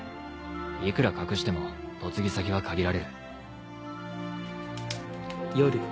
いくら隠しても嫁ぎ先は限られる。